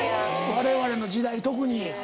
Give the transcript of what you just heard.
われわれの時代特に。